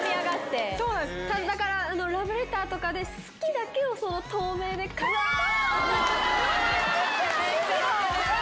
だから、ラブレターとかで、好きだけをその透明で書いて。